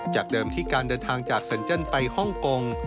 เดิมที่การเดินทางจากเซ็นเจิ้นไปฮ่องกง